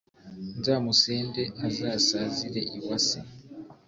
nzamusende azasazire iwa se.